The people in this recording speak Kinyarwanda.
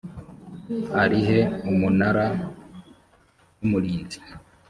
ari he umunara w umurinzi